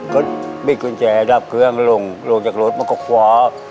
ก็บิดกุญแจดับเครื่องลงลงจากรถมันก็คว้า